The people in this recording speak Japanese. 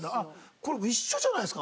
これ一緒じゃないですか？